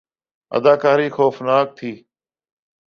اداکاری خوفناک تھی